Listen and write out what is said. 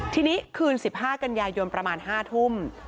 ทีนี้คืน๑๕กันยายนประมาณ๕ทุ่ม